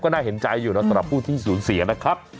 น่าเห็นใจอยู่นะสำหรับผู้ที่สูญเสียนะครับ